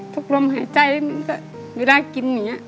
ทุกรมหายใจมันก็ไม่ได้กินอย่างนี้